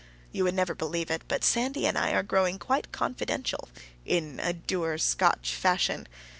You would never believe it, but Sandy and I are growing quite confidential in a dour Scotch fashion.